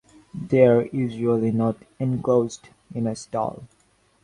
They are usually not enclosed in a stall.